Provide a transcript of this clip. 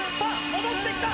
戻ってきた！